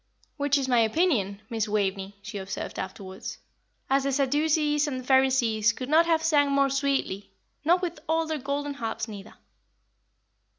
"Which is my opinion, Miss Waveney," she observed afterwards, "as the Sadducees and Pharisees could not have sang more sweetly, not with all their golden harps neither."